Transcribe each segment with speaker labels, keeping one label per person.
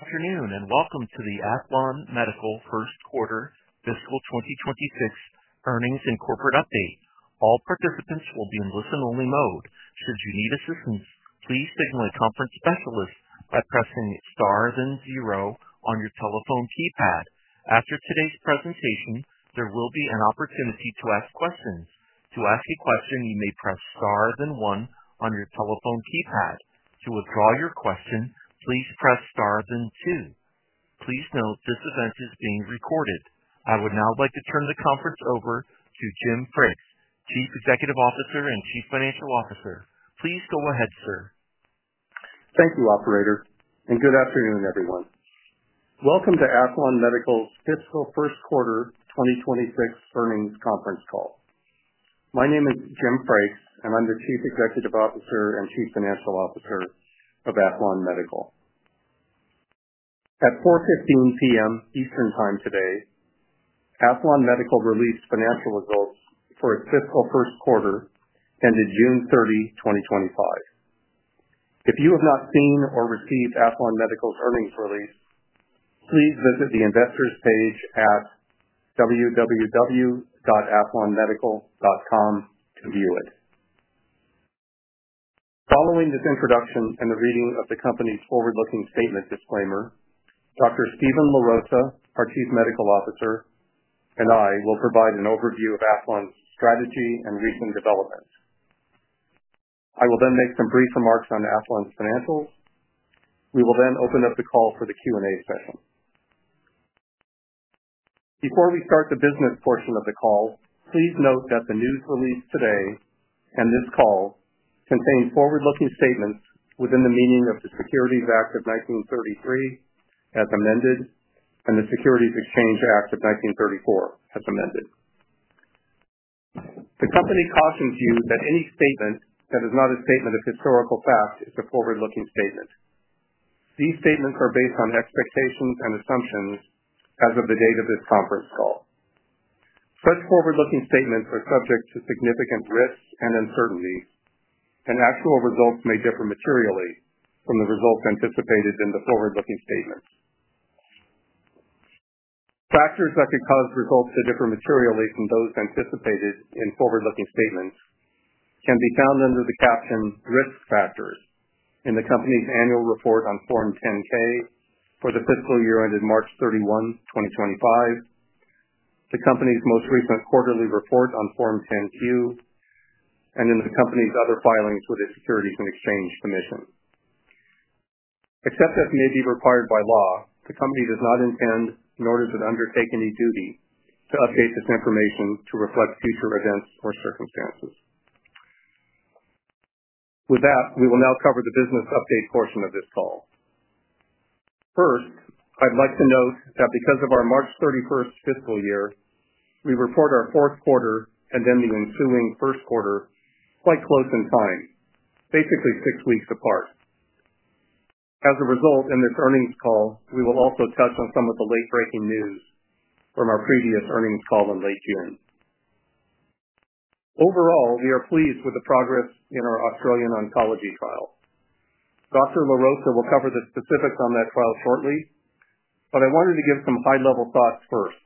Speaker 1: Afternoon and welcome to the Aethlon Medical First Quarter fiscal 2026 earnings and corporate update. All participants will be in listen-only mode. Should you need assistance, please signal a conference specialist by pressing star and zero on your telephone keypad. After today's presentation, there will be an opportunity to ask questions. To ask a question, you may press star and one on your telephone keypad. To withdraw your question, please press star and two. Please note, this event is being recorded. I would now like to turn the conference over to Jim Frakes, Chief Executive Officer and Chief Financial Officer. Please go ahead, sir.
Speaker 2: Thank you, Operator. Good afternoon, everyone. Welcome to Aethlon Medical's Fiscal First Quarter 2026 Earnings Conference Call. My name is Jim Frakes, and I'm the Chief Executive Officer and Chief Financial Officer of Aethlon Medical. At 4:15 P.M. Eastern Time today, Aethlon Medical released financial results for its fiscal first quarter ended June 30, 2025. If you have not seen or received Aethlon Medical's Earnings Release, please visit the Investors Page at www.aethlonmedical.com to view it. Following this introduction and the reading of the company's forward-looking statement disclaimer, Dr. Steven LaRosa, our Chief Medical Officer, and I will provide an overview of Aethlon's strategy and recent developments. I will then make some brief remarks on Aethlon's financials. We will then open up the call for the Q&A session. Before we start the business portion of the call, please note that the news release today and this call contain forward-looking statements within the meaning of the Securities Act of 1933 as amended and the Securities Exchange Act of 1934 as amended. The company cautions you that any statement that is not a statement of historical fact is a forward-looking statement. These statements are based on expectations and assumptions as of the date of this conference call. Such forward-looking statements are subject to significant risks and uncertainty, and actual results may differ materially from the results anticipated in the forward-looking statements. Factors that could cause results to differ materially from those anticipated in forward-looking statements can be found under the caption "Risk Factors" in the company's annual report on Form 10-K for the fiscal year ended March 31, 2025, the company's most recent quarterly report on Form 10-Q, and in the company's other filings with the Securities and Exchange Commission. Except as may be required by law, the company does not intend, nor does it undertake any duty to update this information to reflect future events or circumstances. With that, we will now cover the business update portion of this call. First, I'd like to note that because of our March 31 fiscal year, we report our fourth quarter and then the ensuing first quarter quite close in time, basically six weeks apart. As a result, in this earnings call, we will also touch on some of the late-breaking news from our previous earnings call in late June. Overall, we are pleased with the progress in our Australian oncology trial. Dr. LaRosa will cover the specifics on that trial shortly, but I wanted to give some high-level thoughts first.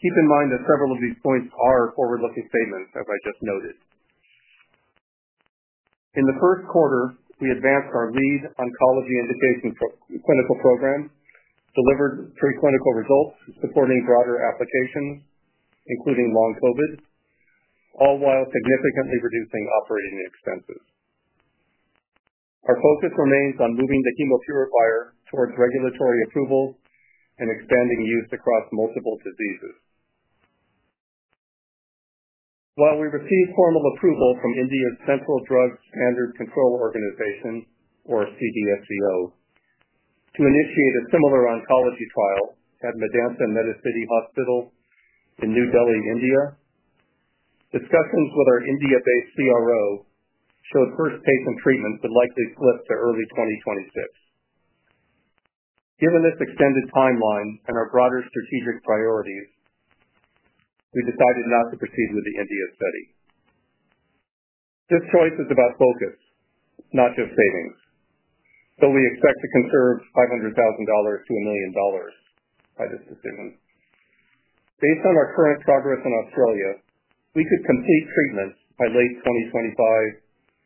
Speaker 2: Keep in mind that several of these points are forward-looking statements, as I just noted. In the first quarter, we advanced our lead oncology implication clinical program, delivered preclinical results supporting broader applications, including Long COVID, all while significantly reducing operating expenses. Our focus remains on moving the Hemopurifier towards regulatory approval and expanding use across multiple diseases. While we received formal approval from India's Central Drugs Standard Control Organization, or CDSCO, to initiate a similar oncology trial at Madhansam MediCity Hospital in New Delhi, India, discussions with our India-based CRO showed first-patient treatment would likely slip to early 2026. Given this extended timeline and our broader strategic priorities, we decided not to proceed with the India study. This choice is about focus, not just savings. We expect to conserve $500,000-$1 million by this decision. Based on our current progress in Australia, we could complete treatments by late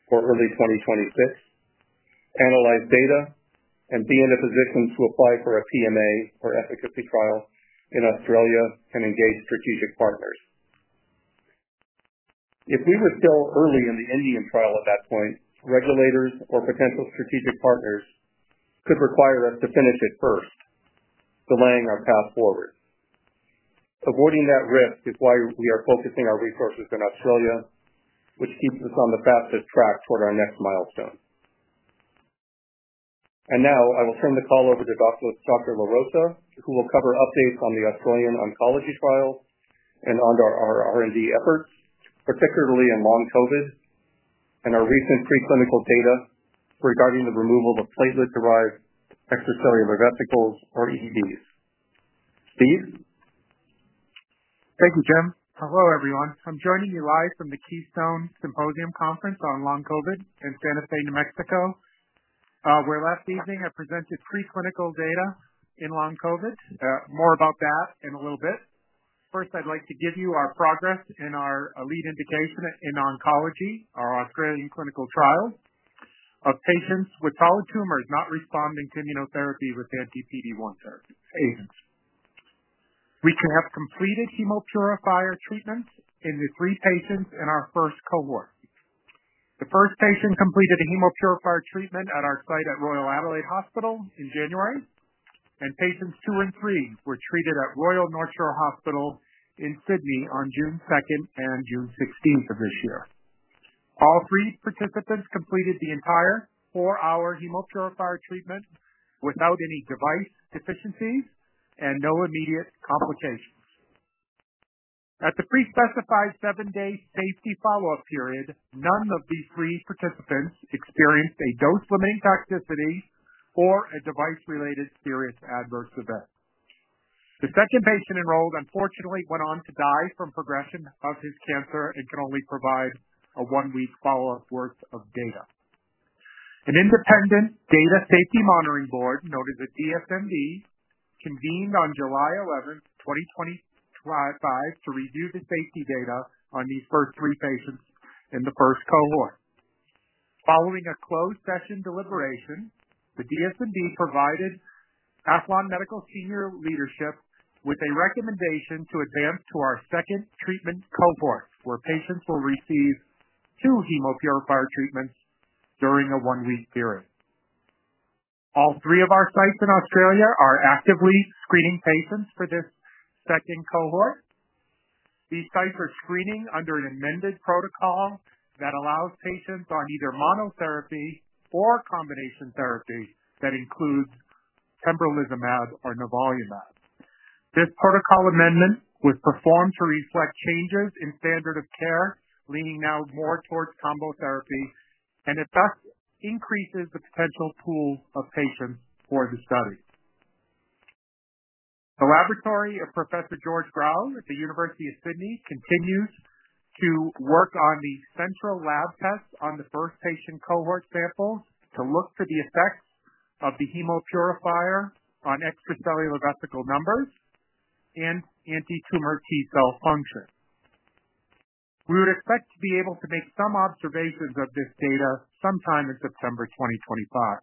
Speaker 2: 2025 or early 2026, analyze data, and be in a position to apply for a PMA or efficacy trial in Australia and engage strategic partners. If we were still early in the Indian trial at that point, regulators or potential strategic partners could require us to finish it first, delaying our path forward. Avoiding that risk is why we are focusing our resources in Australia, which keeps us on the fastest track toward our next milestone. I will turn the call over to Dr. LaRosa, who will cover updates on the Australian oncology trial and on our R&D efforts, particularly in Long COVID and our recent preclinical data regarding the removal of platelet-derived extracellular vesicles, or EVs. Steve.
Speaker 3: Thank you, Jim. Hello, everyone. I'm joining you live from the Keystone Symposium Conference on Long COVID in Santa Fe, New Mexico, where last evening I presented preclinical data in Long COVID. More about that in a little bit. First, I'd like to give you our progress in our lead indication in oncology, our Australian clinical trial of patients with solid tumors not responding to immunotherapy with anti-PD-1 therapies. We have completed Hemopurifier treatments in the three patients in our first cohort. The first patient completed a Hemopurifier treatment at our site at Royal Adelaide Hospital in January, and patients two and three were treated at Royal North Shore Hospital in Sydney on June 2 and June 16 of this year. All three participants completed the entire four-hour Hemopurifier treatment without any device deficiencies and no immediate complications. At the pre-specified seven-day safety follow-up period, none of these three participants experienced a dose-limiting toxicity or a device-related serious adverse event. The second patient enrolled, unfortunately, went on to die from progression of his cancer and can only provide a one-week follow-up worth of data. An independent Data Safety Monitoring Board, known as the DSMB, convened on July 11, 2025, to review the safety data on these first three patients in the first cohort. Following a closed session deliberation, the DSMB provided Aethlon Medical senior leadership with a recommendation to advance to our second treatment cohort, where patients will receive two Hemopurifier treatments during a one-week period. All three of our sites in Australia are actively screening patients for this second cohort. These sites are screening under an amended protocol that allows patients on either monotherapy or combination therapies that include pembrolizumab or nivolumab. This protocol amendment was performed to reflect changes in standard of care, leaning now more towards combo therapy, and it thus increases the potential pool of patients for the study. The laboratory of Professor George Grau at the University of Sydney continues to work on the central lab tests on the first patient cohort sample to look for the effects of the Hemopurifier on extracellular vesicle numbers and antitumor T cell function. We would expect to be able to make some observations of this data sometime in September 2025.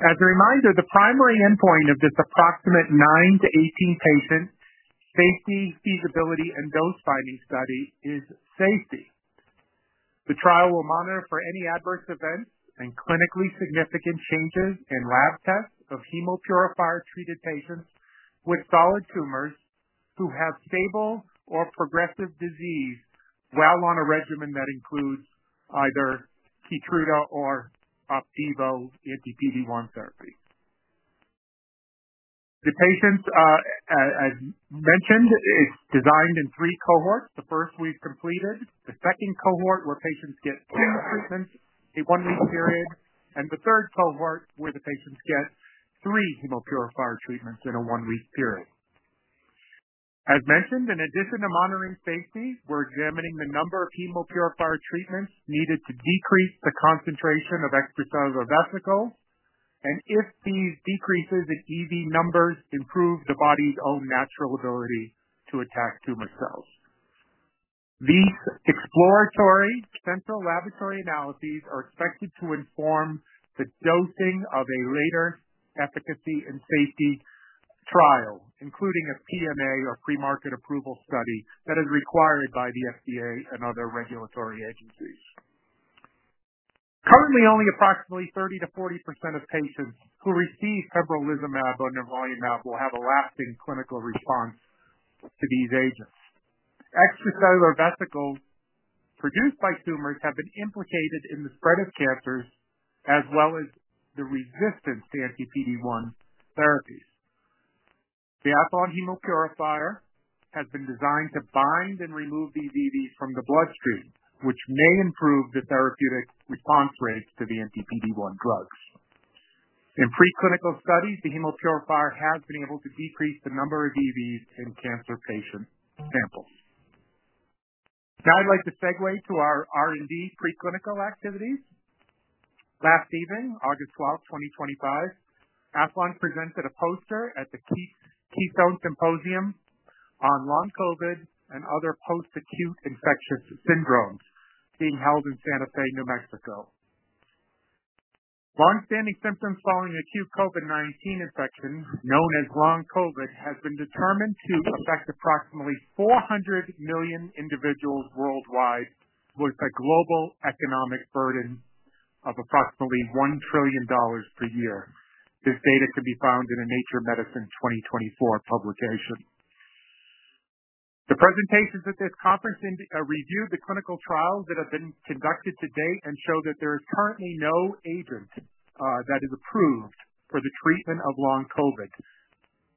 Speaker 3: As a reminder, the primary endpoint of this approximate 9-18 patient safety, feasibility, and dose finding study is safety. The trial will monitor for any adverse events and clinically significant changes in lab tests of Hemopurifier-treated patients with solid tumors who have stable or progressive disease while on a regimen that includes either Keytruda or Opdivo anti-PD-1 therapy. The patients, as mentioned, are designed in three cohorts. The first we've completed, the second cohort where patients get two treatments in a one-week period, and the third cohort where the patients get three Hemopurifier treatments in a one-week period. As mentioned, in addition to monitoring safety, we're examining the number of Hemopurifier treatments needed to decrease the concentration of extracellular vesicles, and if these decreases in EV numbers improve the body's own natural ability to attack tumor cells. These exploratory central laboratory analyses are expected to inform the dosing of a later efficacy and safety trial, including a PMA or pre-market approval study that is required by the FDA and other regulatory agencies. Currently, only approximately 30%-40% of patients who receive pembrolizumab or nivolumab will have a lasting clinical response to these agents. Extracellular vesicles produced by tumors have been implicated in the spread of cancers as well as the resistance to anti-PD-1 therapies. The Aethlon Hemopurifier has been designed to bind and remove these EVs from the bloodstream, which may improve the therapeutic response rates to the anti-PD-1 drugs. In preclinical studies, the Hemopurifier has been able to decrease the number of EVs in cancer patient samples. Now I'd like to segue to our R&D preclinical activities. Last evening, August 12, 2025, Aethlon presented a poster at the Keystone Symposium on Long COVID and other post-acute infectious syndromes being held in Santa Fe, New Mexico. Longstanding symptoms following acute COVID-19 infection, known as Long COVID, have been determined to affect approximately 400 million individuals worldwide with a global economic burden of approximately $1 trillion per year. This data can be found in a Nature Medicine 2024 publication. The presentations at this conference reviewed the clinical trials that have been conducted to date and show that there is currently no agent that is approved for the treatment of Long COVID,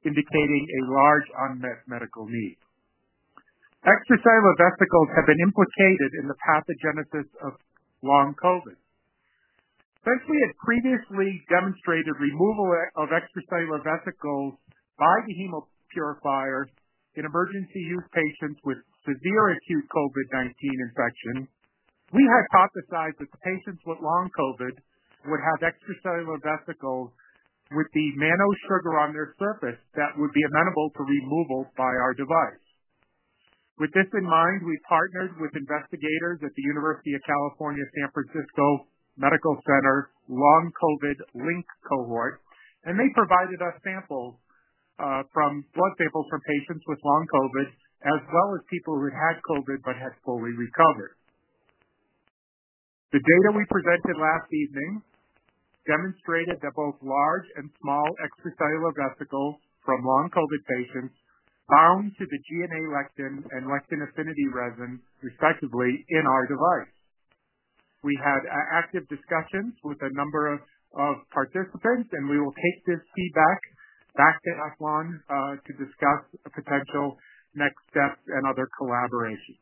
Speaker 3: indicating a large unmet medical need. Extracellular vesicles have been implicated in the pathogenesis of Long COVID. Especially in previously demonstrated removal of extracellular vesicles by the Hemopurifier in emergency use patients with severe acute COVID-19 infection, we hypothesized that the patients with Long COVID would have extracellular vesicles with the nanosugar on their surface that would be amenable to removal by our device. With this in mind, we partnered with investigators at the University of California, San Francisco Medical Center Long COVID LINC cohort, and they provided us samples, from blood samples from patients with Long COVID, as well as people who had had COVID but had fully recovered. The data we presented last evening demonstrated that both large and small extracellular vesicles from Long COVID patients bound to the GNA lectin and lectin affinity resin, respectively, in our device. We had active discussions with a number of participants, and we will take this feedback back to Aethlon Medical to discuss a potential next step and other collaborations.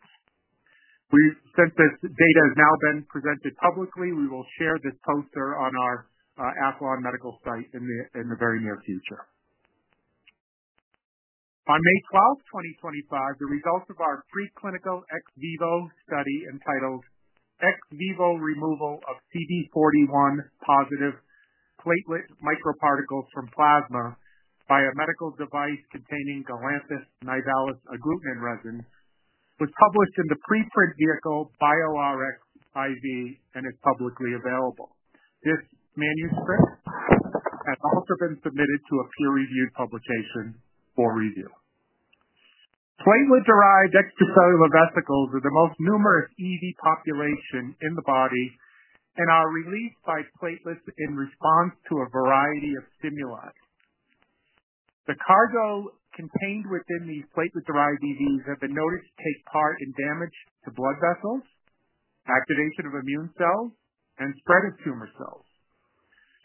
Speaker 3: This data has now been presented publicly. We will share this poster on our Aethlon Medical site in the very near future. On May 12, 2025, the results of our preclinical ex vivo study entitled "Ex vivo Removal of CD41 Positive Platelet Microparticles from Plasma by a Medical Device Containing Galanthus Nivalis Agglutinin Resin" was published in the preprint vehicle bioRxiv and is publicly available. This manuscript has also been submitted to a peer-reviewed publication for review. Platelet-derived extracellular vesicles are the most numerous EV population in the body and are released by platelets in response to a variety of stimuli. The cargo contained within these platelet-derived EVs have been noted to take part in damage to blood vessels, activation of immune cells, and spread of tumor cells.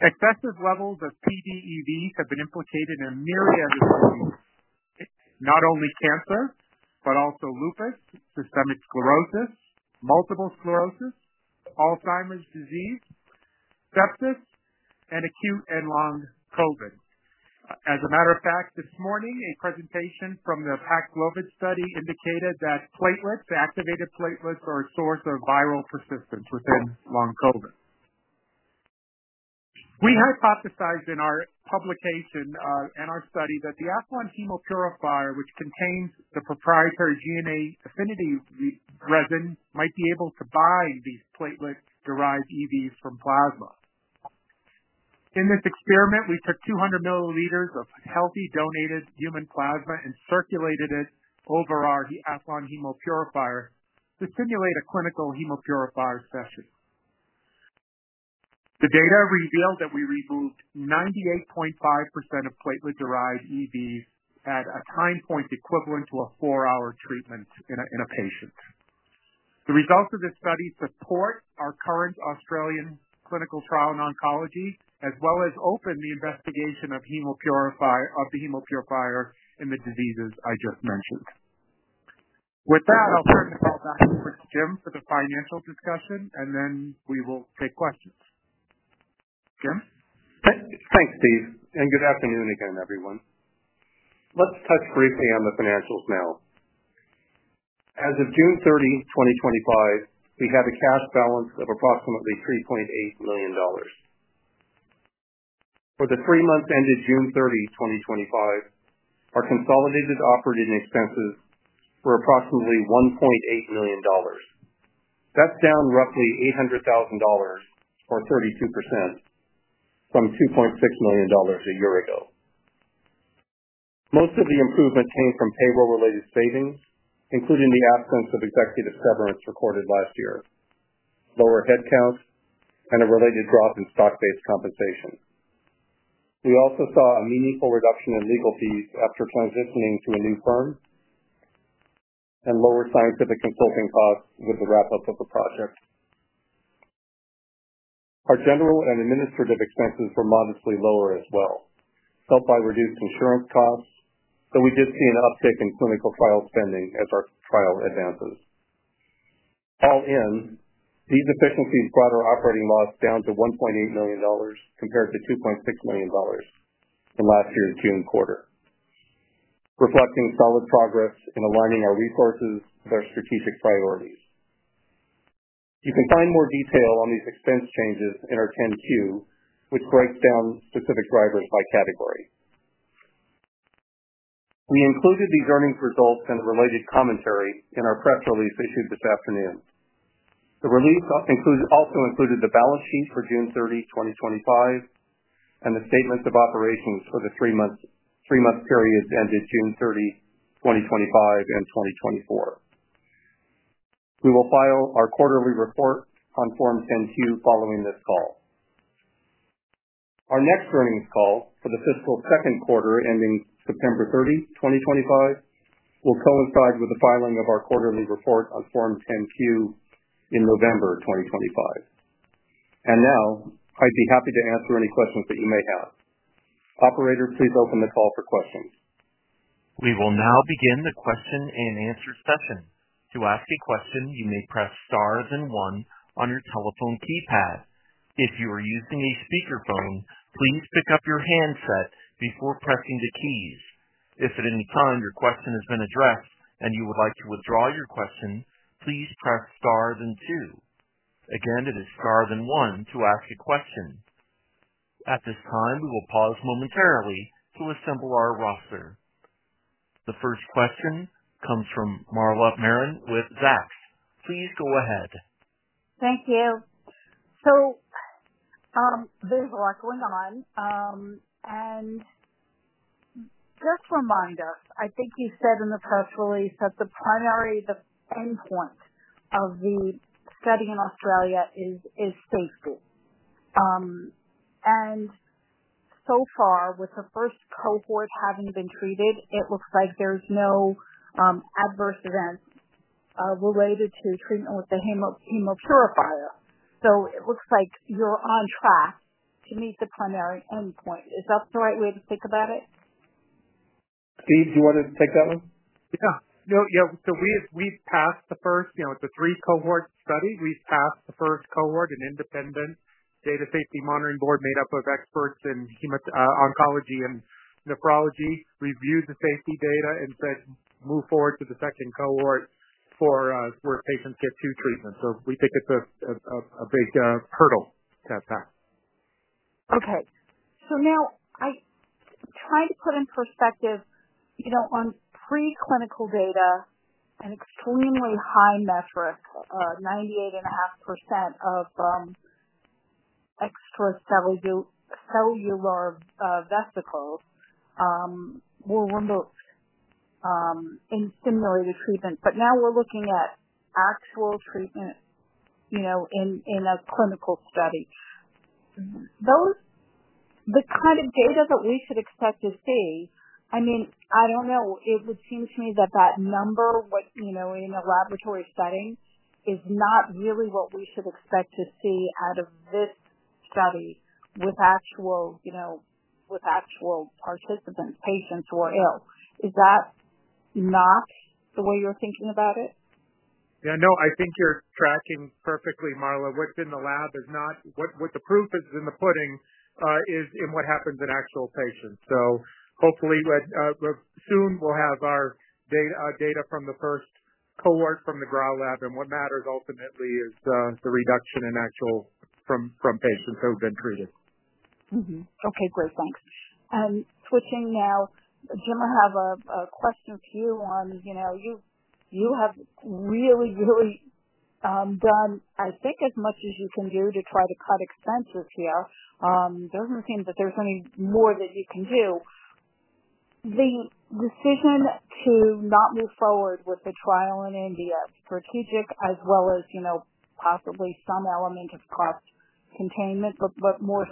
Speaker 3: At the fastest level, the CD EVs have been implicated in a myriad of diseases, not only cancer, but also lupus, systemic sclerosis, multiple sclerosis, Alzheimer's disease, sepsis, and acute and Long COVID. As a matter of fact, this morning, a presentation from the PACT GLOVID study indicated that platelets, activated platelets, are a source of viral persistence within Long COVID. We hypothesized in our publication and our study that the Aethlon Hemopurifier, which contains the proprietary GNA affinity resin, might be able to bind these platelet-derived EVs from plasma. In this experiment, we took 200 ml of healthy donated human plasma and circulated it over our Aethlon Hemopurifier to simulate a clinical Hemopurifier session. The data revealed that we removed 98.5% of platelet-derived EVs at a time point equivalent to a four-hour treatment in a patient. The results of this study support our current Australian clinical trial in oncology, as well as open the investigation of the Hemopurifier in the diseases I just mentioned. With that, I'll turn the call back over to Jim for the financial discussion, and then we will take questions. Jim?
Speaker 2: Thanks, Steve. Good afternoon again, everyone. Let's touch briefly on the financials now. As of June 30, 2025, we have a cash balance of approximately $3.8 million. For the three months ended June 30, 2025, our consolidated operating expenses were approximately $1.8 million. That's down roughly $800,000 or 32% from $2.6 million a year ago. Most of the improvement came from payroll-related savings, including the absence of executive severance recorded last year, lower headcount, and a related drop in stock-based compensation. We also saw a meaningful reduction in legal fees after transitioning to a new firm and lower scientific consulting costs with the wrap-up of the project. Our general and administrative expenses were modestly lower as well, helped by reduced insurance costs, though we did see an uptick in clinical trial spending as our trial advances. All in, these efficiencies brought our operating loss down to $1.8 million compared to $2.6 million in last year's June quarter, reflecting solid progress in aligning our resources with our strategic priorities. You can find more detail on these expense changes in our 10-Q, which breaks down specific drivers by category. We included these earnings results and related commentary in our press release issued this afternoon. The release also included the balance sheet for June 30, 2025, and the statements of operations for the three-month periods ended June 30, 2025, and 2024. We will file our quarterly report on Form 10-Q following this call. Our next earnings call for the fiscal second quarter ending September 30, 2025, will coincide with the filing of our quarterly report on Form 10-Q in November 2025. I'd be happy to answer any questions that you may have. Operator, please open the call for questions.
Speaker 1: We will now begin the question-and-answer session. To ask a question, you may press star and one on your telephone keypad. If you are using a speakerphone, please pick up your handset before pressing the keys. If at any time your question has been addressed and you would like to withdraw your question, please press star and two. Again, it is star and one to ask a question. At this time, we will pause momentarily to assemble our roster. The first question comes from Marla Marin with Zacks. Please go ahead.
Speaker 4: Thank you. There's a lot going on. Just a reminder, I think you said in the Press Release that the primary endpoint of the study in Australia is safety. So far, with the first cohort having been treated, it looks like there's no adverse events related to treatment with the Hemopurifier. It looks like you're on track to meet the primary endpoint. Is that the right way to think about it?
Speaker 2: Steve, do you want to take that one?
Speaker 3: Yeah. We've passed the first, you know, it's a three-cohort study. We've passed the first cohort, an independent Data Safety Monitoring Board made up of experts in oncology and nephrology reviewed the safety data and said move forward to the second cohort where patients get two treatments. We think it's a big hurdle to pass.
Speaker 4: Okay. I try to put in perspective, you know, on preclinical data, an extremely high metric, 98.5% of extracellular vesicles were removed in simulated treatment. Now we're looking at actual treatment in a clinical study. The kind of data that we should expect to see, I mean, I don't know. It would seem to me that that number, what, you know, in a laboratory setting, is not really what we should expect to see out of this study with actual participants, patients who are ill. Is that not the way you're thinking about it?
Speaker 3: Yeah, no, I think you're tracking perfectly, Marla. What's in the lab is not what the proof is in the pudding, is in what happens in actual patients. Hopefully, soon we'll have our data, data from the first cohort from the Grau lab. What matters ultimately is the reduction in actual from patients who have been treated.
Speaker 4: Okay, great. Thanks. Switching now, Jim, I have a question for you on, you know, you have really, really done, I think, as much as you can do to try to cut expenses here. It doesn't seem that there's any more that you can do. The decision to not move forward with the trial in India, strategic as well as, you know, possibly some element of cost containment, but more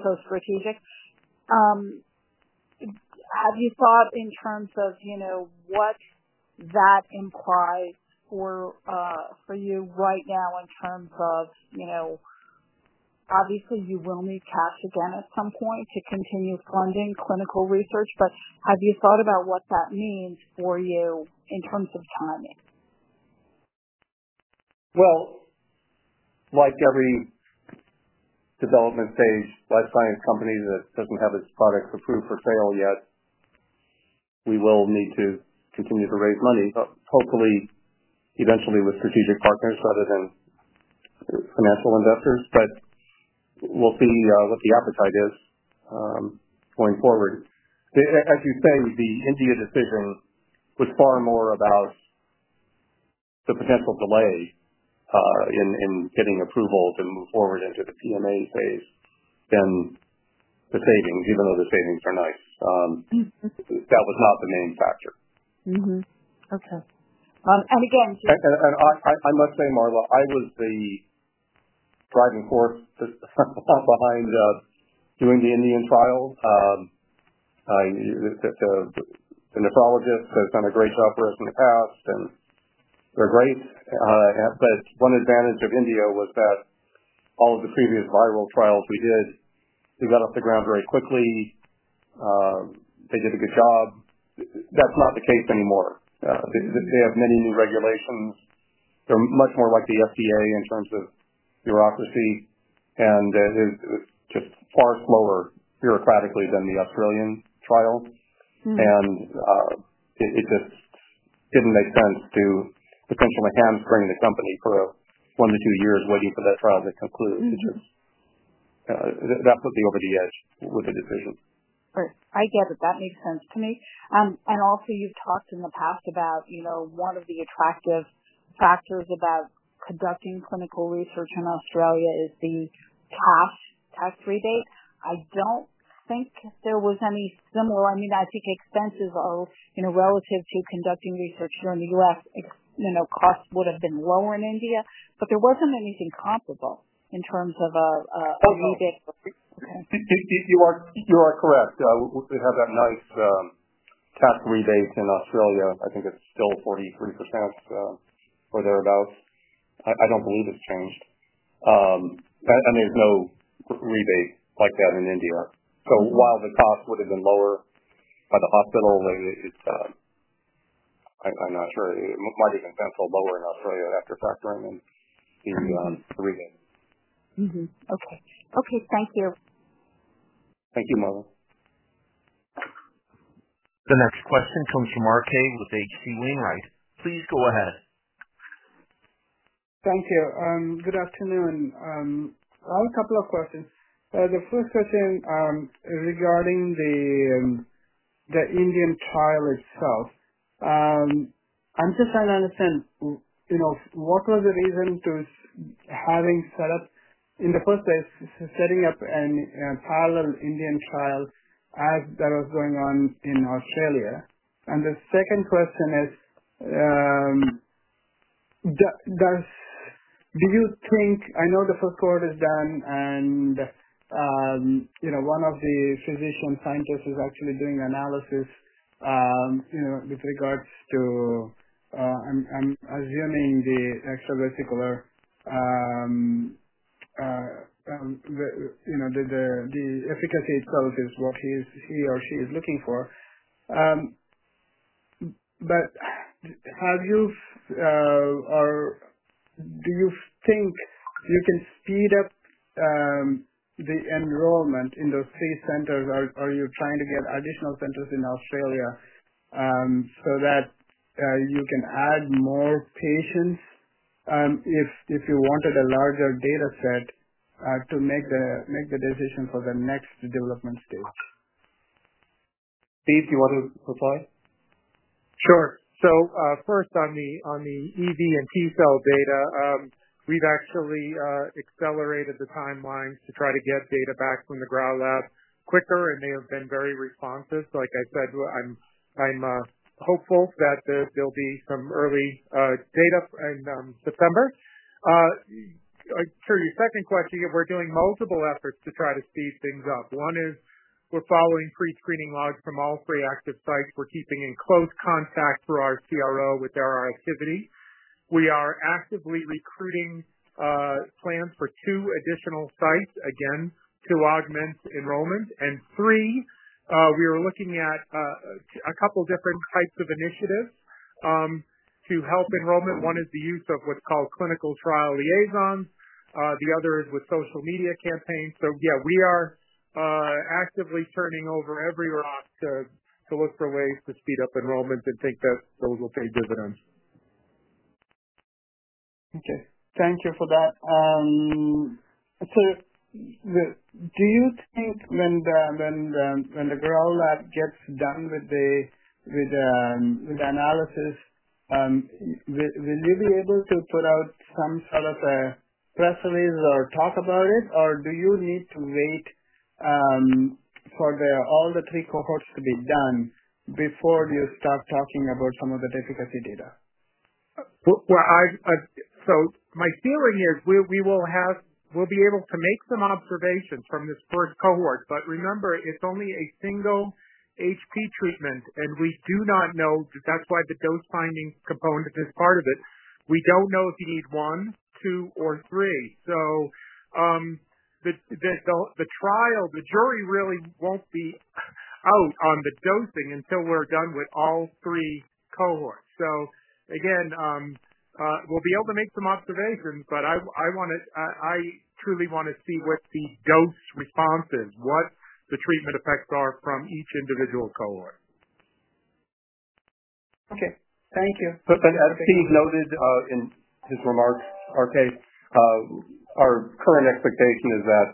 Speaker 4: so strategic. Have you thought in terms of what that implies for you right now in terms of, you know, obviously, you will need cash again at some point to continue funding clinical research. Have you thought about what that means for you in terms of timing?
Speaker 2: Like every development phase life science company that doesn't have its product approved for trial yet, we will need to continue to raise money, hopefully, eventually with strategic partners rather than financial investors. We'll see what the appetite is, going forward. As you say, the India decision was far more about the potential delay in getting approval to move forward into the PMA phase than the savings, even though the savings are nice. That was not the main factor.
Speaker 4: Okay, and again, here's.
Speaker 2: I must say, Marla, I was the driving force behind doing the Indian trial. The nephrologists have done a great job for us in the past, and they're great. One advantage of India was that all of the previous viral trials we did got off the ground very quickly. They did a good job. That's not the case anymore. They have many new regulations. They're much more like the FDA in terms of bureaucracy. It was just far slower bureaucratically than the Australian trials, and it just didn't make sense to potentially have to train the company for one to two years waiting for that trial to conclude. That put me over the edge with the decision.
Speaker 4: Right. I get it. That makes sense to me. Also, you've talked in the past about, you know, one of the attractive factors about conducting clinical research in Australia is the R&D tax rebate. I don't think there was any similar, I mean, I think expenses are, you know, relative to conducting research here in the U.S., you know, costs would have been lower in India. There wasn't anything comparable in terms of a rebate.
Speaker 2: Okay. You are correct. We have that nice R&D tax rebate in Australia. I think it's still 43% or thereabouts. I don't believe it's changed, and there's no rebate like that in India. While the cost would have been lower by the hospital, I'm not sure. It might have been 1/10 lower in Australia after factoring in the rebate.
Speaker 4: Okay. Thank you.
Speaker 2: Thank you, Marla.
Speaker 1: The next question comes from Swayampakula Ramakanth with H.C. Wainwright & Co. Please go ahead.
Speaker 5: Thank you. Good afternoon. I have a couple of questions. The first question, regarding the Indian trial itself. I'm just trying to understand what was the reason to having set up in the first place, setting up a parallel Indian trial as that was going on in Australia? The second question is, do you think—I know the first cohort is done, and one of the physician scientists is actually doing analysis with regards to, I'm assuming, the extracellular vesicle, you know, the efficacy itself is what he or she is looking for. Do you think you can speed up the enrollment in those three centers, or are you planning to get additional centers in Australia so that you can add more patients if you wanted a larger dataset to make the decision for the next development tools?
Speaker 2: Steve, do you want to reply?
Speaker 3: Sure. First, on the EV and T cell data, we've actually accelerated the timelines to try to get data back from the Grau lab quicker, and they have been very responsive. Like I said, I'm hopeful that there'll be some early data in September. I'm sure your second question, if we're doing multiple efforts to try to speed things up. One is we're following pre-screening logs from all three active sites. We're keeping in close contact through our CRO with their activity. We are actively recruiting, plans for two additional sites, again, to augment enrollment. We are looking at a couple of different types of initiatives to help enrollment. One is the use of what's called clinical trial liaisons. The other is with social media campaigns. We are actively turning over every rock to look for ways to speed up enrollment and think that those will pay dividends.
Speaker 5: Okay. Thank you for that. The June 5th when the Grau lab gets done with the analysis, will you be able to put out some sort of a press release or talk about it, or do you need to wait for all the three cohorts to be done before you start talking about some of the difficulty data?
Speaker 2: My feeling is we will be able to make some observations from this third cohort. Remember, it's only a single HP treatment, and we do not know that that's why the dose finding component is part of it. We don't know if you need one, two, or three. The trial, the jury really won't be out on the dosing until we're done with all three cohorts. Again, we'll be able to make some observations, but I want to, I truly want to see what the dose response is, what the treatment effects are from each individual cohort.
Speaker 5: Okay. Thank you.
Speaker 2: As Steve noted in his remarks, RK, our current expectation is that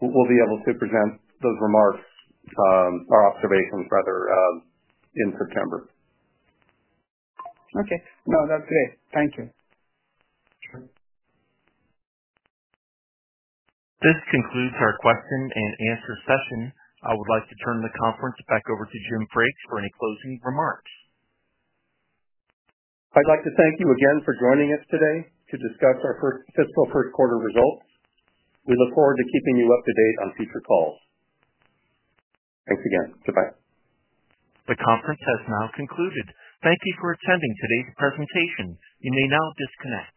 Speaker 2: we'll be able to present those remarks, our observations, rather, in September. Okay. No, that's great. Thank you.
Speaker 1: This concludes our question-and answer-session. I would like to turn the conference back over to Jim Frakes for any closing remarks.
Speaker 2: I'd like to thank you again for joining us today to discuss our fiscal first quarter results. We look forward to keeping you up to date on future calls. Thanks again. Goodbye.
Speaker 1: The conference has now concluded. Thank you for attending today's presentation. You may now disconnect.